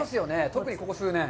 特にここ数年。